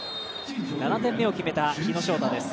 ７点目を決めた日野翔太です。